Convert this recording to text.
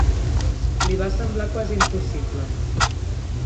Li va semblar quasi impossible.